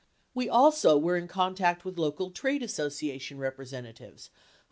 We also were in contact with local trade association representatives who 7i 8ee exhibit No.